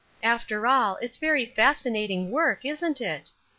After all, it's very fascinating work, isn't it?